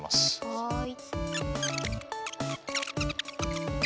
はい。